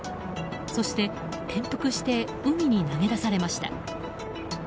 そして、転覆して海に投げ出されました。